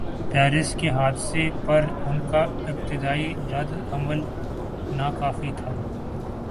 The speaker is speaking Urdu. پیرس کے حادثے پر ان کا ابتدائی رد عمل ناکافی تھا۔